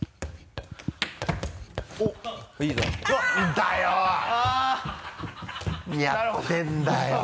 何やってんだよ。